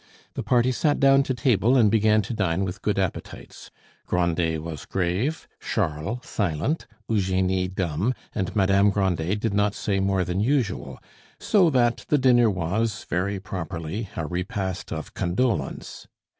The party sat down to table and began to dine with good appetites. Grandet was grave, Charles silent, Eugenie dumb, and Madame Grandet did not say more than usual; so that the dinner was, very properly, a repast of condolence.